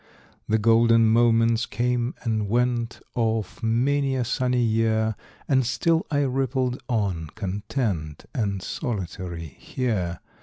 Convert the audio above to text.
The golden moments came and went Of many a sunny year, And still I rippled on, content And solitary here.